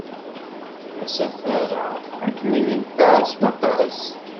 Asafar-a ad kem-yenfeɛ s waṭas.